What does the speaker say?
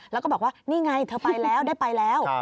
แล้วก็บอกว่านี่ไงเธอไปแล้วได้ไปแล้ว